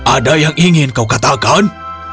ada yang ingin kau katakan